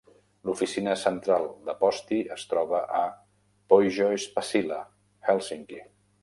L'oficina central de Posti es troba a Pohjois-Pasila, Hèlsinki.